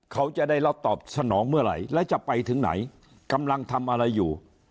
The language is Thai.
เขาจะได้รับตอบสนองเมื่อไหร่แล้วจะไปถึงไหนกำลังทำอะไรอยู่